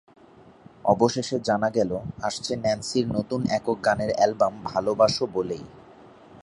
অবশেষে জানা গেল, আসছে ন্যান্সির নতুন একক গানের অ্যালবাম ভালোবাসো বলেই।